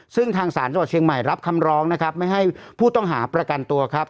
ซึ่งทางศาลจังหวัดเชียงใหม่รับคำร้องนะครับไม่ให้ผู้ต้องหาประกันตัวครับ